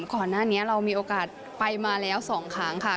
ก่อนหน้านี้เรามีโอกาสไปมาแล้ว๒ครั้งค่ะ